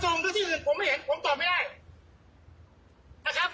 แต่ของผมตรวจวัดตามประกาศประสงค์สวรรค์สวรรค์ธรรมชาติศิษย์ธรรมชาติ